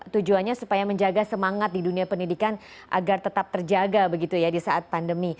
tujuannya supaya menjaga semangat di dunia pendidikan agar tetap terjaga begitu ya di saat pandemi